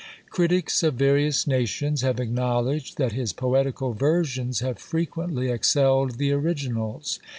Critics of various nations have acknowledged that his poetical versions have frequently excelled the originals.